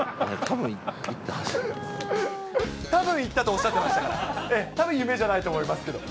たぶん行ったとおっしゃってましたから、たぶん夢じゃないと思いますけど。